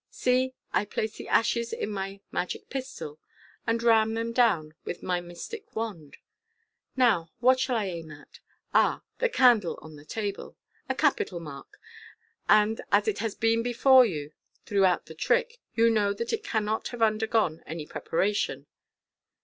See, I place the ashes in my magic pistol, and ram them down with the mystic wand. Now what shall I aim at ? Ah ! the candle on the table ! A capital mark, and as it has been before you through out the trick, you know that it cannot have undergone any prepara tion."